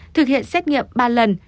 thực hiện xét nghiệm ba lần